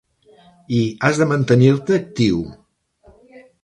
I has de mantenir-te actiu.